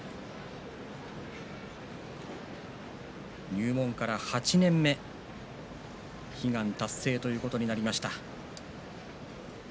入門から８年目悲願達成ということになりました。